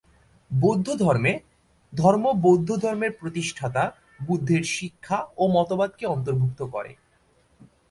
বৌদ্ধধর্মে, ধর্ম বৌদ্ধধর্মের প্রতিষ্ঠাতা বুদ্ধের শিক্ষা ও মতবাদকে অন্তর্ভুক্ত করে।